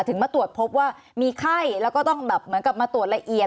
มาตรวจพบว่ามีไข้แล้วก็ต้องแบบเหมือนกับมาตรวจละเอียด